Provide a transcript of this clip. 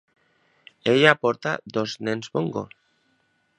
Ella porta dos nens bongo.